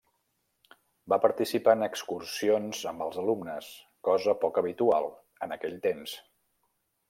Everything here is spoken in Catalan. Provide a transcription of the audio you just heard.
Va participar en excursions amb els alumnes, cosa poc habitual en aquell temps.